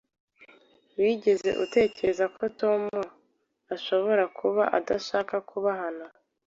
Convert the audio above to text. Wigeze utekereza ko Tom ashobora kuba adashaka kuba hano?